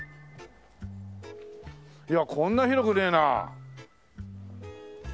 いやこんな広くねえな。